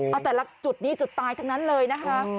เอาแต่ละจุดนี้จุดตายทั้งนั้นเลยนะคะ